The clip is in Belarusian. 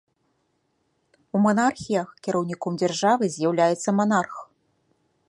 У манархіях кіраўніком дзяржавы з'яўляецца манарх.